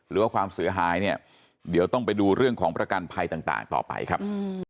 หรือว่าความเสียหายเนี่ยเดี๋ยวต้องไปดูเรื่องของประกันภัยต่างต่อไปครับ